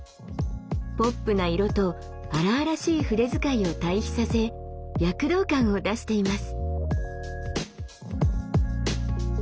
ポップな色と荒々しい筆遣いを対比させ躍動感を出しています。